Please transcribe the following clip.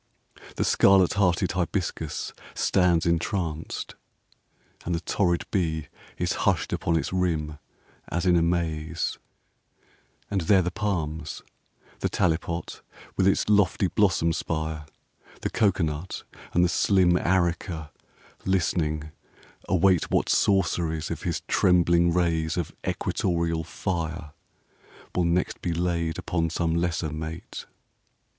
The scarlet hearted hibiscus stands entranced and the torrid bee Is husht upon its rim, as in amaze IV And there the palms, the talipot with its lofty blossom spire, The cocoanut and the slim areca listening await What sorceries of his trembling rays of equatorial fire Will next be laid upon some lesser mate.